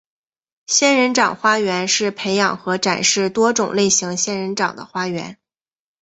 仙人掌花园是培养和展示多种类型仙人掌的花园。